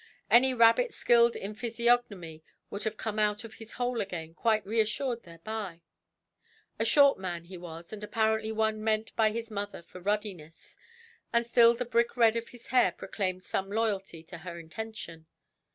Any rabbit skilled in physiognomy would have come out of his hole again, quite reassured thereby. A short man he was, and apparently one meant by his mother for ruddiness; and still the brick–red of his hair proclaimed some loyalty to her intention.